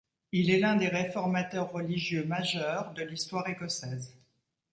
Il est l'un des réformateurs religieux majeur de l'histoire écossaise.